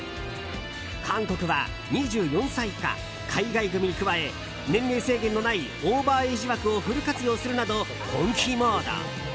韓国は２４歳以下海外組に加え年齢制限のないオーバーエージ枠をフル活用するなど本気モード。